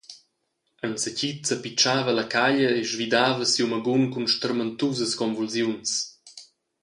Enzatgi zappitschava ella caglia e svidava siu magun cun stermentusas convulsiuns.